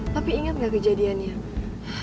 pak pi ingat gak kejadiannya